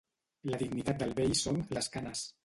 La dignitat del vell són «les canes».